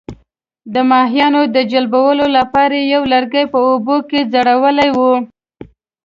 د ماهیانو د جلبولو لپاره یې یو لرګی په اوبو کې ځړولی وو.